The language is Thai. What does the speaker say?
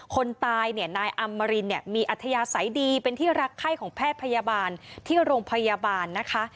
คนตายเนี่ยนายอำมารินเนี่ยมีอัธยาศัยดีเป็นที่รักไข้ของแพทย์พยาบาลที่โรงพยาบาลนะคะ